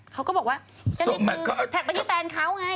เขาก็บอกว่าแท็กไปที่แฟนเขาไง